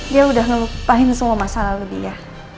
dia udah ngelupain semua masalah lo dia